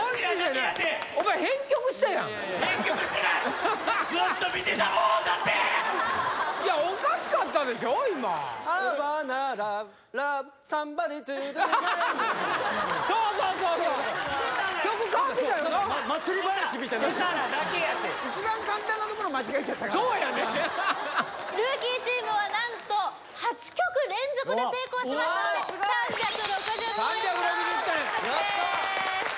何かそう何かヘタなだけやてそうやなルーキーチームは何と８曲連続で成功しましたので３６０点・やった！